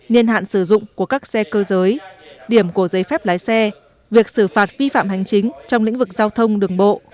niên hạn sử dụng của các xe cơ giới điểm của giấy phép lái xe việc xử phạt vi phạm hành chính trong lĩnh vực giao thông đường bộ